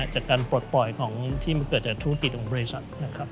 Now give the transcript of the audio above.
จากการปลดปล่อยที่เกิดจากธุรกิจของบริษัท